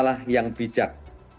lah yang bijak